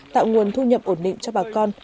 tạo nguồn thu nhập ổn định cho bà con